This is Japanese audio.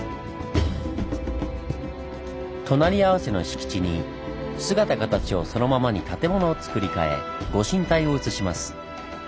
隣り合わせの敷地に姿形をそのままに建物をつくり替え御神体を移します。